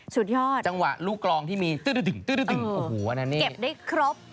สุดยอดจังหวะลูกกลองที่มีตื้อโอ้โหเก็บได้ครบ